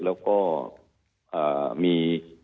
แล้วก็มี